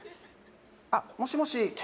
あっもしもし